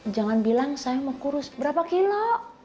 jangan bilang saya mau kurus berapa kilo